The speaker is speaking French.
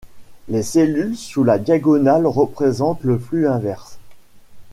Les cellules sous la diagonale représentent le flux inverse.